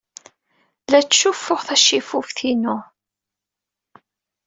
La ttcuffuɣ tacifuft-inu.